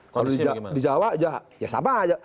kalau di jawa ya sama aja